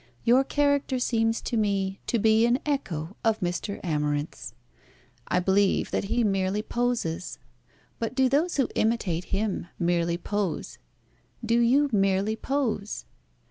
Your character seems to me to be an echo of Mr. Amarinth's. I believe that he merely poses; but do those who imitate him merely pose? Do you merely pose?